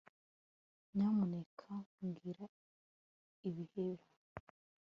Nyamuneka mbwira ibibera